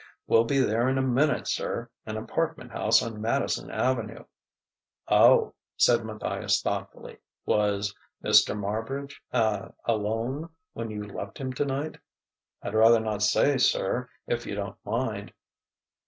"We'll be there in a minute, sir an apartment house on Madison Avenue." "Oh!" said Matthias thoughtfully. "Was Mr. Marbridge ah alone when you left him tonight?" "I'd rather not say, sir, if you don't mind."